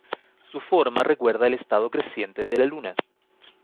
Su forma recuerda el estado creciente de la luna.